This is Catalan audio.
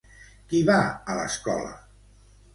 Qui va a l'escola?